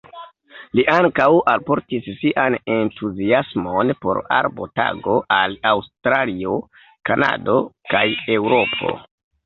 Li ankaŭ alportis sian entuziasmon por Arbo Tago al Aŭstralio, Kanado kaj Eŭropo.